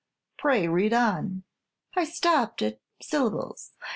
Pray read on." "I stopped at 'syllables.'